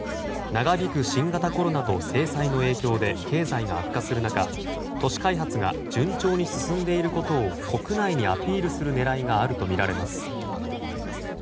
長引く新型コロナと制裁の影響で経済が悪化する中都市開発が順調に進んでいることを国内にアピールする狙いがあるとみられます。